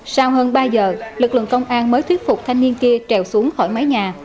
sau hơn ba giờ lực lượng công an mới thuyết phục thanh niên kia trèo xuống khỏi mái nhà